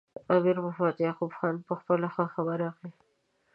امیر محمد یعقوب خان په خپله خوښه ورغی.